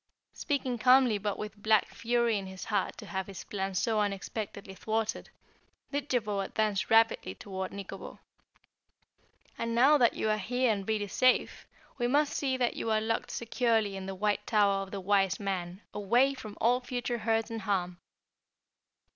Speaking calmly but with black fury in his heart to have his plans so unexpectedly thwarted, Didjabo advanced rapidly toward Nikobo. "And now that you are here and really safe, we must see that you are locked securely in the White Tower of the Wise Man away from all future hurt and harm!"